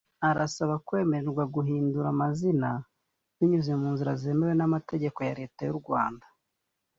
Arasaba kwemererwa guhindurirwa amazina binyuze mu nzira zemewe n’amategeko ya Leta y'u Rwanda